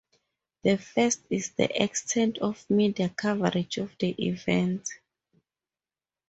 The first is the extent of media coverage of the event.